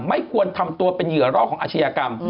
ไม่ควรทำตัวเป็นเหยื่อรอกของอาชญากรรม